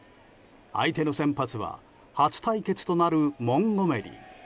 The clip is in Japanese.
相手の先発は初対決となるモンゴメリ。